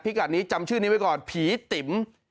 กัดนี้จำชื่อนี้ไว้ก่อนผีติ๋ม